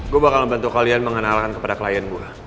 gue bakal bantu kalian mengenalkan kepada klien gue